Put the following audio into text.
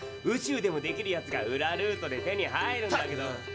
宇宙でもできるやつが裏ルートで手に入るんだけど。